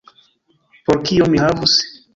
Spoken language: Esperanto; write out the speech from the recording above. Por kio mi havus?